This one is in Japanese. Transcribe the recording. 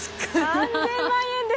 ３，０００万円です！